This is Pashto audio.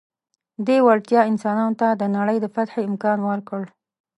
دې وړتیا انسانانو ته د نړۍ د فتحې امکان ورکړ.